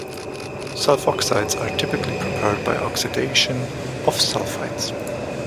Sulfoxides are typically prepared by oxidation of sulfides.